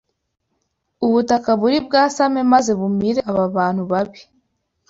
Ubutaka buri bwasame maze bumire aba bantu babi